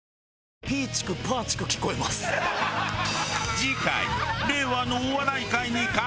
次回。